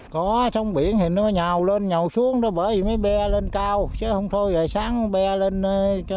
có sông biển thì nó nhào lên nhào xuống đó bởi vì mới be lên cao chứ không thôi rồi sáng be lên cho